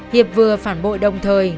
hiệp vừa phản bội đồng thời